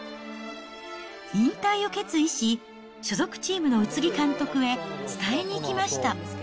引退を決意し、所属チームの宇津木監督へ伝えに行きました。